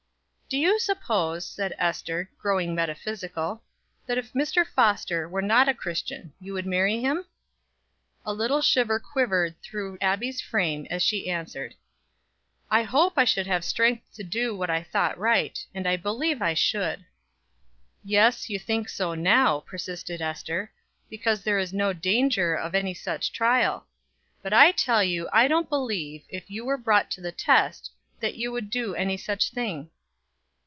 "Do you suppose," said Ester, growing metaphysical, "that if Mr. Foster were not a Christian you would marry him?" A little shiver quivered through Abbie's frame as she answered: "I hope I should have strength to do what I thought right; and I believe I should." "Yes, you think so now," persisted Ester, "because there is no danger of any such trial; but I tell you I don't believe, if you were brought to the test, that you would do any such thing."